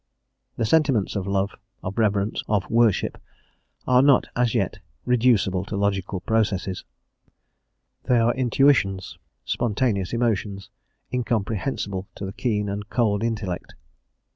The sentiments of love, of reverence, of worship, are not, as yet, reducible to logical processes; they are intuitions, spontaneous emotions, incomprehensible to the keen and cold intellect.